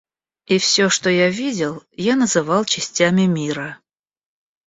И все, что я видел, я называл частями мира.